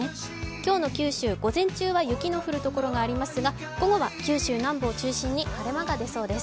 今日の九州、午前中は雪の降るところもありますが午後は九州南部を中心に晴れ間が出そうです。